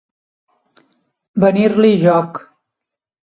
Venir-li joc.